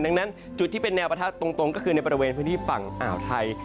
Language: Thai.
ดังนั้นจุดที่เป็นแนวประทะตรงก็คือในบริเวณพื้นที่ฝั่งอ่าวไทย